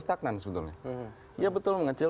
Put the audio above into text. ditetapkan sebetulnya ya betul mengecil